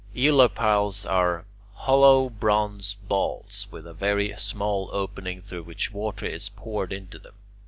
Eolipiles are hollow bronze balls, with a very small opening through which water is poured into them.